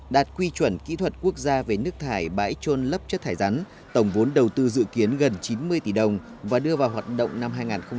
đạt quy chuẩn kỹ thuật quốc gia về nước thải bãi trôn lấp chất thải rắn tổng vốn đầu tư dự kiến gần chín mươi tỷ đồng và đưa vào hoạt động năm hai nghìn hai mươi